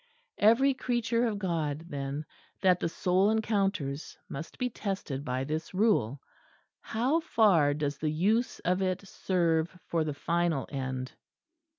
Every creature of God, then, that the soul encounters must be tested by this rule, How far does the use of it serve for the final end?